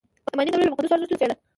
اماني دورې له مقدسو ارزښتونو سره بېړه.